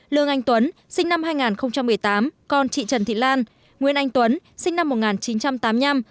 lương anh tuấn sinh năm hai nghìn một mươi tám con chị trần thị lan nguyên anh tuấn sinh năm một nghìn chín trăm tám mươi năm